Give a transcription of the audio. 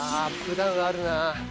ダウンあるなあ。